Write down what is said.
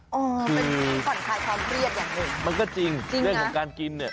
อ๋อเป็นจริงก่อนขายความเครียดอย่างหนึ่งจริงนะมันก็จริงเรื่องของการกินเนี่ย